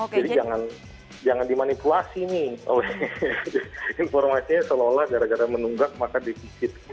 jadi jangan dimanipulasi nih informasinya seolah olah gara gara menunggak maka defisit